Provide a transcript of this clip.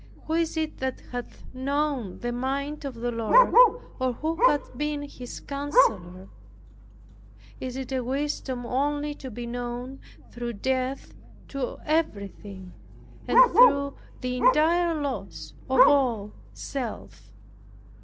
Who is it that hath known the mind of the Lord, or who hath been His counselor? Is it a wisdom only to be known through death to everything, and through the entire loss of all self?